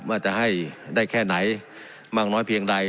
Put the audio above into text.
ว่าจะให้ได้แค่ไหนมากน้อยเพียงใด